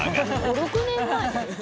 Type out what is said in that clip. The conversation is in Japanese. ５６年前。